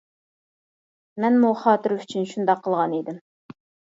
مەنمۇ خاتىرە ئۈچۈن شۇنداق قىلغان ئىدىم.